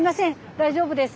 大丈夫です。